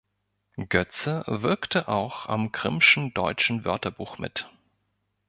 Götze wirkte auch am Grimmschen Deutschen Wörterbuch mit.